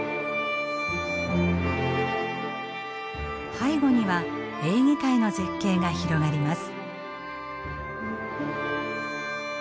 背後にはエーゲ海の絶景が広がります。